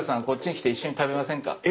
こっちに来て一緒に食べませんか？